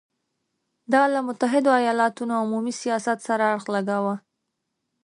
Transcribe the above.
دا له متحدو ایالتونو عمومي سیاست سره اړخ لګاوه.